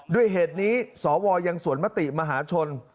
ด้วยเหตุนี้สวยังสวนมติมหาชน